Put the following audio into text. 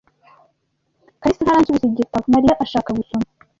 kalisa ntaransubiza igitabo Mariya ashaka gusoma.